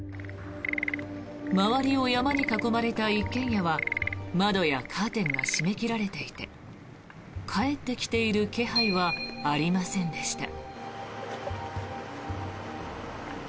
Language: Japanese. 周りを山に囲まれた一軒家は窓やカーテンが閉め切られていて帰ってきている気配はありませんでした。